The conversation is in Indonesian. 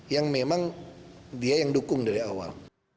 yang memang dia yang dukung dari awal